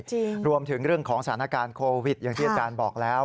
จริงรวมถึงเรื่องของสถานการณ์โควิดอย่างที่อาจารย์บอกแล้ว